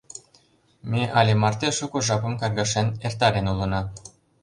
Ме але марте шуко жапым каргашен эртарен улына.